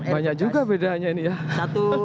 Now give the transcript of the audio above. banyak juga bedanya ini ya